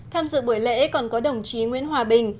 tham dự buổi lễ còn có đồng chí nguyễn hòa bình